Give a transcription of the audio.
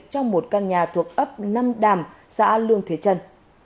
trong một căn nhà thuộc ấp năm đàm xã lương thế trân